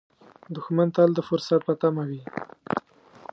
دښمن تل د فرصت په تمه وي